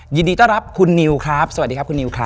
ยินดีต้อนรับคุณนิวครับสวัสดีครับคุณนิวครับ